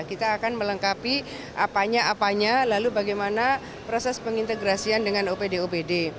kita akan melengkapi apanya apanya lalu bagaimana proses pengintegrasian dengan opd opd